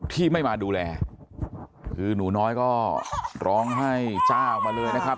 ที่ไม่มาดูแลคือหนูน้อยก็ร้องไห้เจ้าออกมาเลยนะครับ